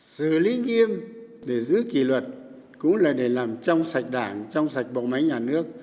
xử lý nghiêm để giữ kỳ luật cũng là để làm trong sạch đảng trong sạch bộ máy nhà nước